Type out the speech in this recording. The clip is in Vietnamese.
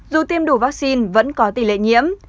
dù tiêm đủ vaccine vẫn có tỷ lệ nhiễm